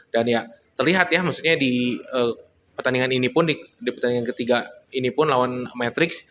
dan ya terlihat ya maksudnya di pertandingan ini pun di pertandingan ketiga ini pun lawan matrix